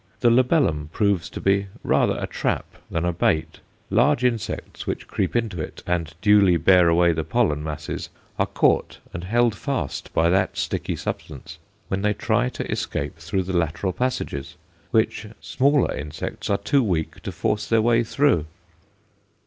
The labellum proves to be rather a trap than a bait. Large insects which creep into it and duly bear away the pollen masses, are caught and held fast by that sticky substance when they try to escape through the lateral passages, which smaller insects are too weak to force their way through.